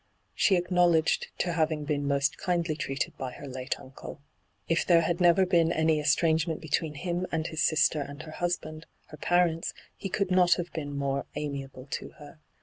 She acknowledged to having been most kindly treated by her late unele. If there had never been any estrangement be tween him and his sister and her husband, her parents, he could not have been more amiable to her.